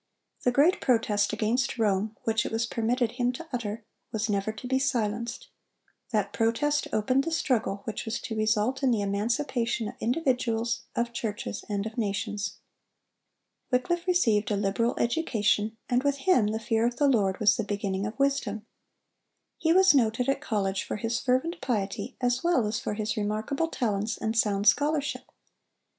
The great protest against Rome which it was permitted him to utter, was never to be silenced. That protest opened the struggle which was to result in the emancipation of individuals, of churches, and of nations. Wycliffe received a liberal education, and with him the fear of the Lord was the beginning of wisdom. He was noted at college for his fervent piety as well as for his remarkable talents and sound scholarship.